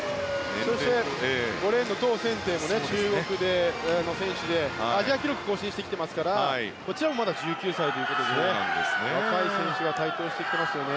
そして５レーンのトウ・センテイも中国の選手で、アジア記録を更新してきてますからこちらもまだ１９歳ということで若い選手が台頭してきていますよね。